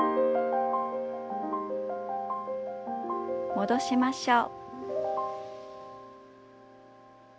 戻しましょう。